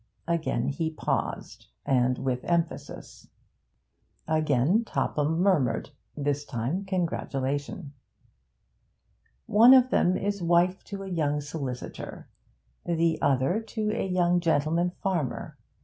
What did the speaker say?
Again he paused, and with emphasis. Again Topham murmured, this time congratulation. 'One of them is wife to a young solicitor; the other to a young gentleman farmer.